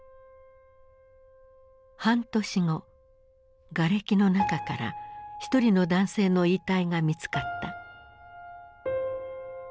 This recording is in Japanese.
半年後がれきの中から一人の男性の遺体が見つかった。